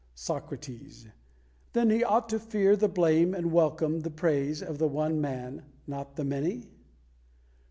Socrates: "Then he ought to fear the blame and welcome the praise of the one man, not the many?"